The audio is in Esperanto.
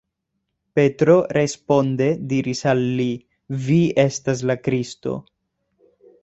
Petro responde diris al li: Vi estas la Kristo.